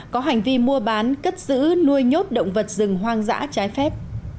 có hành vi mua bán cất giữ nuôi nhốt động vật rừng hoang dã trái phép